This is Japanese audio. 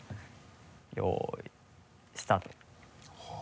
よいスタート。